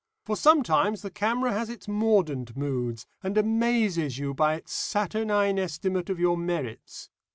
For sometimes the camera has its mordant moods, and amazes you by its saturnine estimate of your merits.